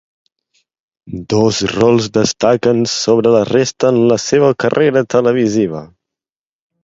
Dos rols destaquen sobre la resta en la seva carrera televisiva.